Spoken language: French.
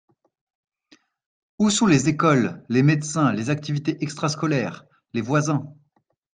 Où sont les écoles, les médecins, les activités extrascolaires, les voisins?